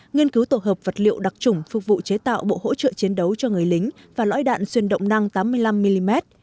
nghiên cứu tổ hợp vật liệu đặc trùng phục vụ chế tạo bộ hỗ trợ chiến đấu cho người lính và lõi đạn xuyên động năng tám mươi năm mm